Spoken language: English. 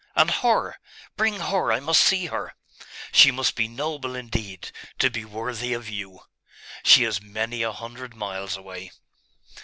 And her.... Bring her.... I must see her! She must be noble, indeed, to be worthy of you.' 'She is many a hundred miles away.